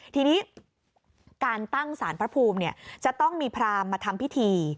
ทีนี้การตั้งสารพระภูมิจะต้องมีพรามมาทำพิธี